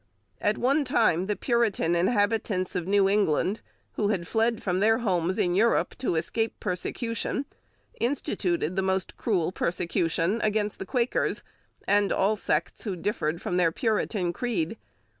At one time the Puritan inhabitants of New England, who had fled from their homes in Europe to escape persecution, instituted the most cruel persecution against the Quakers and all sects who differed from the Puritan creed.